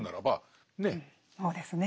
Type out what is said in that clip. そうですねえ。